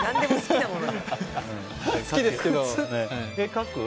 好きですけど。